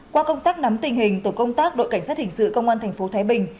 qua công tác nắm tình hình tổ công tác đội cảnh sát hình sự công an tp thái bình